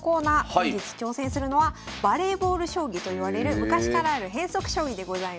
本日挑戦するのはバレーボール将棋といわれる昔からある変則将棋でございます。